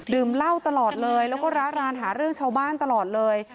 เล่าตลอดเลยแล้วก็ร้ารานหาเรื่องชาวบ้านตลอดเลย